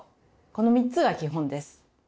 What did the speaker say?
この３つが基本です。